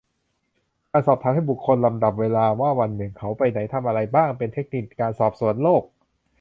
การสอบถามให้บุคคลลำดับเวลาว่าวันหนึ่งเขาไปไหนทำอะไรบ้าง เป็นเทคนิคการสอบสวนโรค